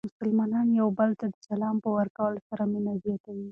مسلمانان یو بل ته د سلام په ورکولو سره مینه زیاتوي.